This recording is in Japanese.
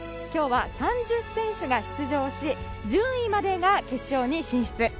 今日は３０選手が出場し１０位までが決勝に進出。